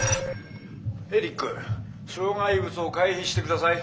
「エリック障害物を回避して下さい」。